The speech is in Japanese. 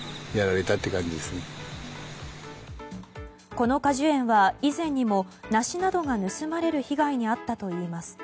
この果樹園は以前にも梨などが盗まれる被害に遭ったといいます。